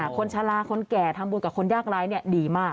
คนชะลาคนแก่ทำบุญกับคนยากร้ายดีมาก